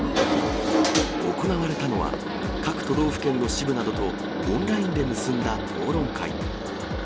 行われたのは、各都道府県の支部などとオンラインで結んだ討論会。